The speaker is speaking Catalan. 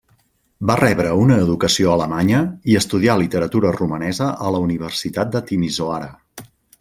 Va rebre una educació alemanya i estudià literatura romanesa a la Universitat de Timisoara.